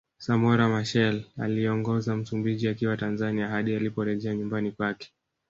Samora Machel aliongoza Msumbiji akiwa Tanzania hadi aliporejea nyumbani kwake